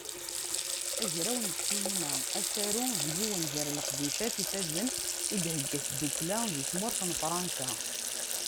Agraw n ssinima Asaru, d yiwen gar leqdicat ifazen i d-thegga tdukkla di tmurt n Fransa.